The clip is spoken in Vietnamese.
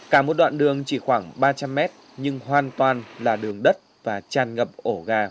cả một đoạn đường chỉ khoảng ba trăm linh mét nhưng hoàn toàn là đường đất và tràn ngập ổ gà